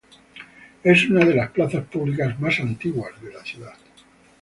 Es una de las plazas públicas más antiguas de la ciudad.